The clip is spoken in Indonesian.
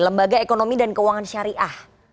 lembaga ekonomi dan keuangan syariah